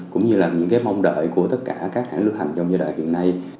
cũng như là những cái mong đợi của tất cả các hãng lưu hành trong giai đoạn hiện nay